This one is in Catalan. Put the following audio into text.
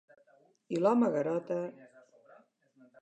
I l'home garota...